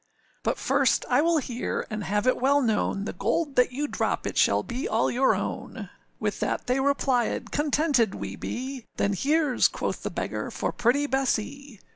âBut first, I will hear, and have it well known, The gold that you drop it shall be all your own.â With that they replièd, âContented we be!â âThen hereâs,â quoth the beggar, âfor pretty Bessee!